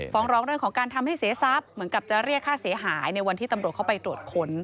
ฟ้องร้องเรื่องของการทำให้เสียทรัพย์เหมือนกับจะเรียกค่าเสียหายในวันที่ตำรวจเข้าไปตรวจค้น